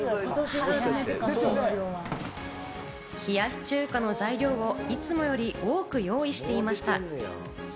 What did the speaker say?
冷やし中華の材料をいつもより多く用意していました。